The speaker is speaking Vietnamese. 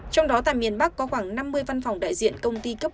trong đó tại miền bắc có khoảng năm mươi văn phòng đại diện công ty cấp